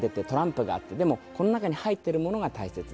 でもこの中に入っているものが大切です。